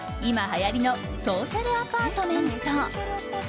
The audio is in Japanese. はやりのソーシャルアパートメント。